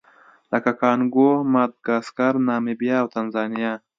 لکه کانګو، ماداګاسکار، نامبیا او تانزانیا.